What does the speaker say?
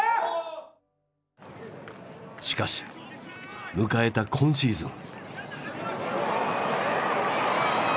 しかし迎えた今シーズン。